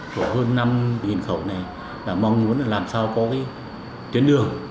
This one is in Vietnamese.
có hơn năm khẩu này là mong muốn làm sao có cái tuyến đường